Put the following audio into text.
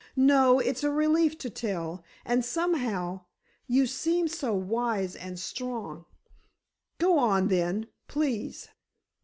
"No, it's a relief to tell—and, somehow—you seem so wise and strong——" "Go on then—please."